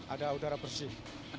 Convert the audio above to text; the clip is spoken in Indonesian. ada udara bersih